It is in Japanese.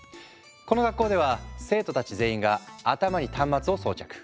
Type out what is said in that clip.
この学校では生徒たち全員が頭に端末を装着。